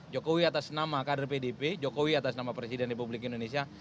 jokowi atas nama kader pdp jokowi atas nama presiden republik indonesia